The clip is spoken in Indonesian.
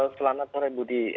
selamat sore budi